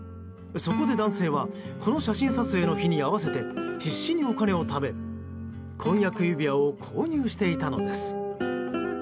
そこで男性はこの写真撮影の日に合わせて必死にお金をため婚約指輪を購入していたのです。